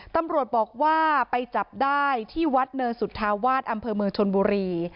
ตำรวจบอกว่าไปจับได้ที่วัดเนินสุธาวาสอำเภอเมืองชนบุรี